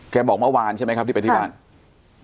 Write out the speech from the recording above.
แกบอกเมื่อวานใช่มั้ยครับที่ไปที่ร้านครับ